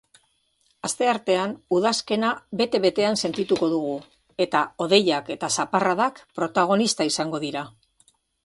Asteartean udazkena bete-betean sentituko dugu eta hodeiak eta zaparradak protagonista izango dira.